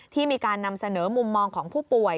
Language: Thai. ที่มีการนำเสนอมุมมองของผู้ป่วย